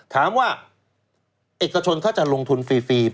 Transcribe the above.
ถามว่าเอกชนเขาจะลงทุนฟรี